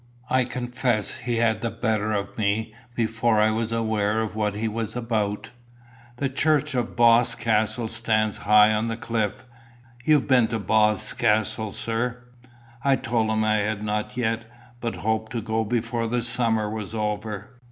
I confess he had the better of me before I was aware of what he was about. "The church of Boscastle stands high on the cliff. You've been to Boscastle, sir?" I told him I had not yet, but hoped to go before the summer was over.